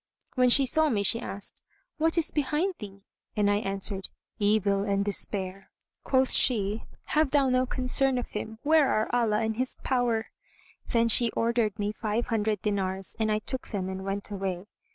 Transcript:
When she saw me, she asked, "What is behind thee?"; and I answered, "Evil and despair." Quoth she, "Have thou no concern of him. Where are Allah and His power?"[FN#166] Then she ordered me five hundred dinars and I took them and went away.